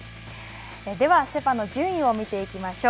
では、セパの順位を見ていきましょう。